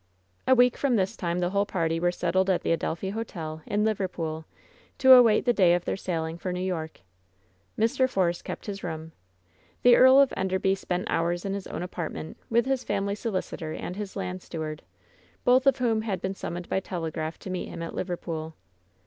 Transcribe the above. A week from this time the whole party were settled at the Adelphi Hotel, in Liverpool, to await the day of their sailing for New York. Mr. Force kept his room. The Earl of Enderby spent hours in his own apartment with his family solicitor and WHEN SHADOWS DIE 87 his land steward, both of whom had been summoned by telegraph to meet him at Liverpool.